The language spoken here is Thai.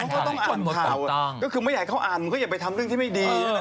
ก็ต้องอ่านข่าวไม่ให้เขาอ่านอย่าทำเรื่องที่ไม่ดี